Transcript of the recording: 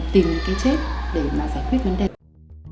tìm cái chết để mà giải quyết vấn đề